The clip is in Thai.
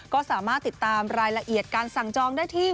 ก็สามารถติดตามรายละเอียดการสั่งจองได้ที่